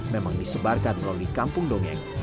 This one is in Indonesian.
memang disebarkan melalui kampung dongeng